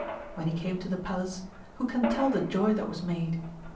When he came to the palace, who can tell the joy that was made?